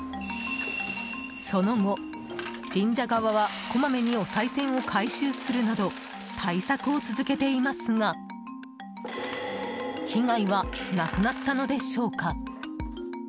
その後、神社側は、こまめにおさい銭を回収するなど対策を続けていますが被害はなくなったのでしょうか。